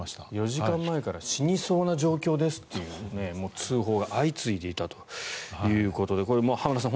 ４時間前から死にそうな状況ですという通報が相次いでいたということでこれは浜田さん